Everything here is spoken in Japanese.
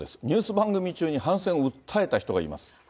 ニュース番組中に反戦を訴えた人がいます。